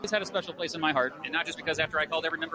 দৌড়টা বিস্ময়কর ছিল।